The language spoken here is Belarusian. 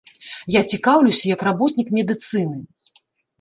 Я цікаўлюся як работнік медыцыны.